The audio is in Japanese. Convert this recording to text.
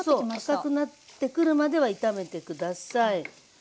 赤くなってくるまでは炒めて下さい。